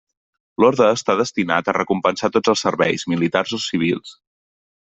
L'orde està destinat a recompensar tots els serveis, militars o civils.